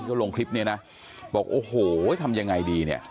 ก็ลงคลิปนี้นะบอกโอ้โหทำอย่างไรดี